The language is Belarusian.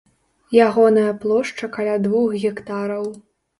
Ягоная плошча каля двух гектараў.